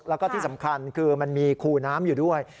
และที่สำคัญคือมีคูน้ำอยู่ด้วย